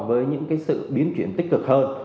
với những sự biến chuyển tích cực hơn